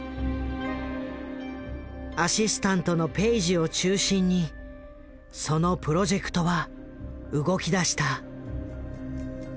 アシスタントのペイジを中心にそのプロジェクトは動きだした。